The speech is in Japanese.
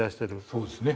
そうですね。